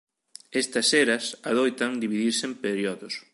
Estas eras adoitan dividirse en períodos.